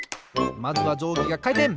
まずはじょうぎがかいてん！